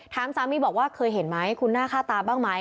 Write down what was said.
สามีบอกว่าเคยเห็นไหมคุณหน้าค่าตาบ้างไหม